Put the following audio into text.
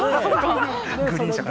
グリーン車か。